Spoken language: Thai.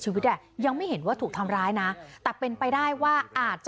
พี่บ๊ายพี่บ๊ายพี่บ๊ายพี่บ๊ายพี่บ๊ายพี่บ๊าย